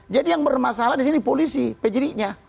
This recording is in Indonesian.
jadi yang bermasalah di sini polisi pejeriknya